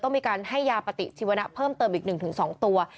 มีการให้ยาปฏิชีวนะเพิ่มเติมอีก๑๒ตัว